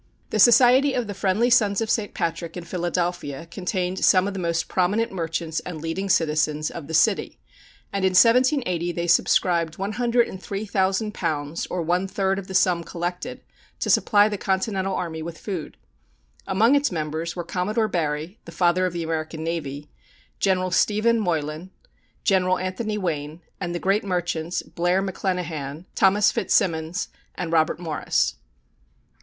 The Society of the Friendly Sons of St. Patrick in Philadelphia contained some of the most prominent merchants and leading citizens of the city, and in 1780 they subscribed £103,000, or one third of the sum collected, to supply the Continental army with food. Among its members were Commodore Barry, the Father of the American Navy; General Stephen Moylan; General Anthony Wayne; and the great merchants, Blair McClenachan, Thomas Fitzsimons, and Robert Morris.